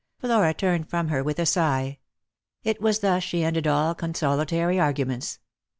Flora turned from her with a sigh. It was thus she ended all consolatory arguments.